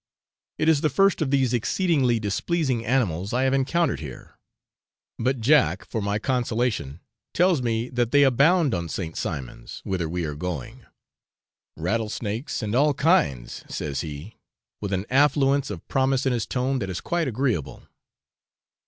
It is the first of these exceedingly displeasing animals I have encountered here; but Jack, for my consolation, tells me that they abound on St. Simon's, whither we are going 'rattlesnakes, and all kinds,' says he, with an affluence of promise in his tone that is quite agreeable.